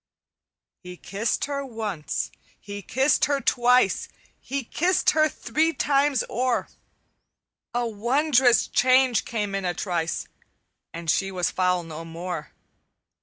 "He kissed her once, he kissed her twice, He kissed her three times o'er, A wondrous change came in a trice, And she was foul no more.